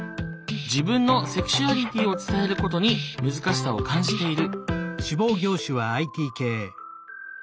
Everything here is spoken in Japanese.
自分のセクシュアリティーを伝えることに難しさを感じている。